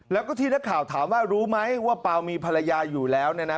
แล้วก็ที่นักข่าวถามว่ารู้ไหมว่าเปล่ามีภรรยาอยู่แล้ว